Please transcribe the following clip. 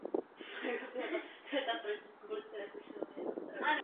Dodnes lze v okolních lesích najít staré hraniční kameny.